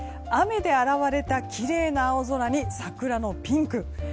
雨で洗われたきれいな青空に桜のピンク。